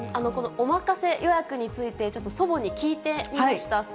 このおまかせ予約について、ちょっと祖母に聞いてみました。